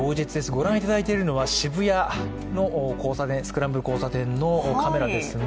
ご覧いただいているのは渋谷のスクランブル交差点のカメラですね。